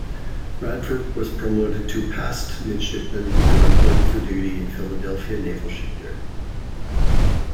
Radford was promoted to passed midshipman and reported for duty in Philadelphia Naval Shipyard.